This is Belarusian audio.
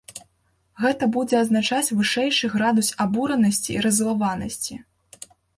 Гэта будзе азначаць вышэйшы градус абуранасці і раззлаванасці.